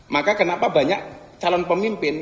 maka kenapa banyak calon pemimpin